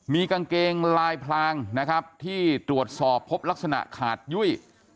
มีกางเกงลายพลางนะครับที่ตรวจสอบพบลักษณะขาดยุ่ย